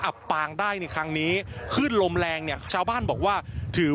อับปางได้ในครั้งนี้ขึ้นลมแรงเนี่ยชาวบ้านบอกว่าถือ